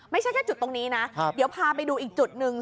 ไม่ใช่แค่จุดตรงนี้นะเดี๋ยวพาไปดูอีกจุดหนึ่ง